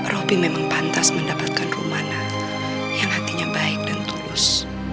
robi memang pantas mendapatkan rumana yang hatinya baik dan tulus